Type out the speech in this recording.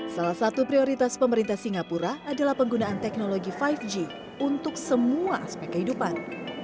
salah satu prioritas pemerintah singapura adalah penggunaan teknologi lima g untuk semua aspek kehidupan